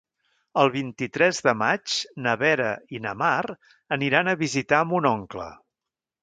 El vint-i-tres de maig na Vera i na Mar aniran a visitar mon oncle.